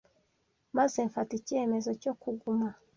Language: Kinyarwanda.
maze mfata icyemezo cyo kuguma